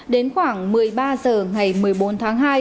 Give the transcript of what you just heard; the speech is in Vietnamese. đến khoảng một mươi ba h ngày một mươi bốn tháng hai